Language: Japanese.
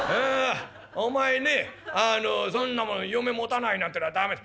お前ねそんなもの嫁持たないなんてのは駄目だ。